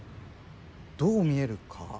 どう見えるか？